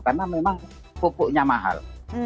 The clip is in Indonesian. karena memang pupuknya mahal